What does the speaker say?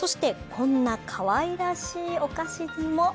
こんなかわいらしいお菓子にも。